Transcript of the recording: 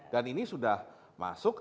dan ini sudah masuk